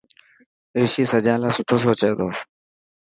رشي سجان لاءِ سٺو سوچي ٿو.